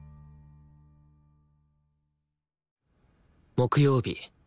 木曜日。